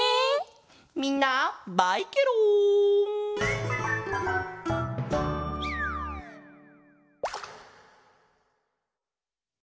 みんなバイケロン！